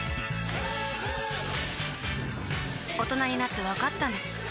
大人になってわかったんです